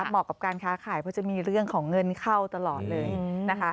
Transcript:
เหมาะกับการค้าขายเพราะจะมีเรื่องของเงินเข้าตลอดเลยนะคะ